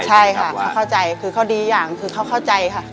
ใช่ค่ะเขาเข้าใจคือเขาดีอย่างคือเขาเข้าใจค่ะ